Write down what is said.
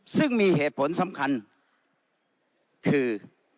ซึ่งมีเหตุผลสำคัญคือ